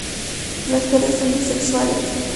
Las flores son bisexuales.